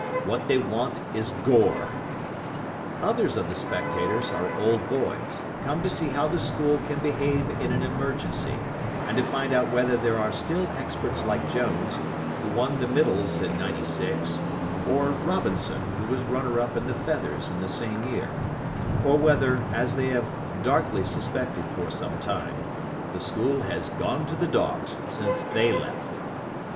What they want is Gore. Others of the spectators are Old Boys, come to see how the school can behave in an emergency, and to find out whether there are still experts like Jones, who won the Middles in '96 or Robinson, who was runner up in the Feathers in the same year; or whether, as they have darkly suspected for some time, the school has Gone To The Dogs Since They Left.